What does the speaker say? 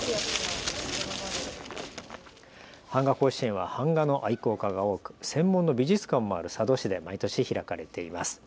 はんが甲子園は版画の愛好家が多く専門の美術館もある佐渡市で毎年、開かれています。